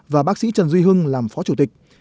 và bác sĩ trần duy hưng làm phó chủ tịch